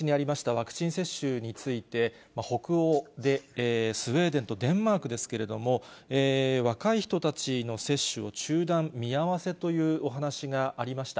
ワクチン接種について、北欧で、スウェーデンとデンマークですけれども、若い人たちの接種を中断、見合わせというお話がありました。